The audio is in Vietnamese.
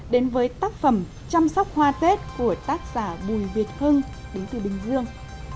đến với tác phẩm chăm sóc hoa tết của tác giả bùi việt hưng đến từ bình dương